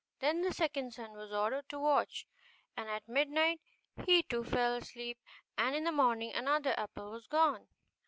Then the second son was ordered to watch; and at midnight he too fell asleep, and in the morning another apple was gone.